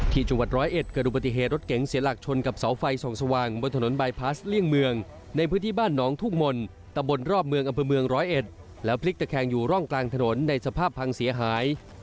ที่จังหวัดร้อยเอ็ดเกิดอุบัติเหตุรถเก๋งเสียหลักชนกับเสาไฟส่องสว่างบนถนนบายพลาสเลี่ยงเมืองในพื้นที่บ้านน้องทุ่งมนต์ตะบนรอบเมืองอำเภอเมืองร้อยเอ็ดแล้วพลิกตะแคงอยู่ร่องกลางถนนในสภาพพังเสียหาย